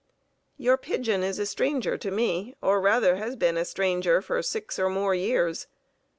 Your pigeon is a stranger to me, or rather has been a stranger for six or more years.